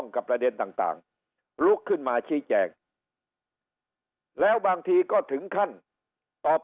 กับประเด็นต่างลุกขึ้นมาชี้แจงแล้วบางทีก็ถึงขั้นตอบ